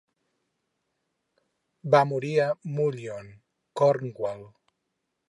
Va morir a Mullion, Cornwall.